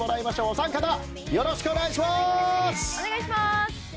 お三方、よろしくお願いします。